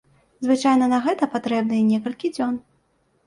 Звычайна на гэта патрэбныя некалькі дзён.